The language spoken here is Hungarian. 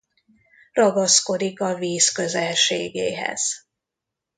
Ragaszkodik a víz közelségéhez.